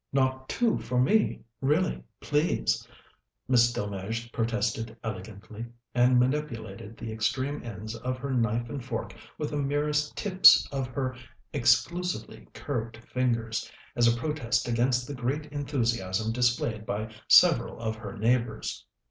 "Not two for me, really, please," Miss Delmege protested elegantly, and manipulated the extreme ends of her knife and fork with the merest tips of her exclusively curved fingers, as a protest against the great enthusiasm displayed by several of her neighbours.